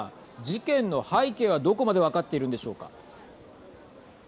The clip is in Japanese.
事件の背景はどこまで分かっているんでしょうか。